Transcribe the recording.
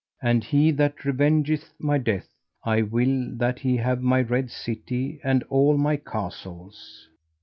And he that revengeth my death I will that he have my Red City and all my castles.